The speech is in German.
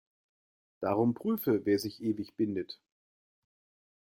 Darum prüfe, wer sich ewig bindet.